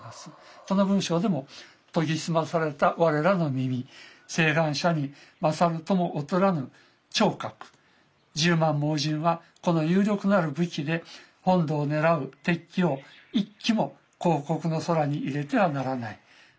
この文章でも「磨ぎ澄まされた我らの耳眼者に勝るとも劣らぬ聽覺十万盲人はこの有力なる武器で本土を狙ふ敵機を一機も皇國の空に入れてはならない」。